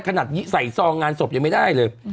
ใส่ซองงานศพยังไม่ได้เลย